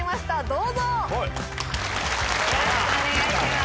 どうぞはいあらよろしくお願いします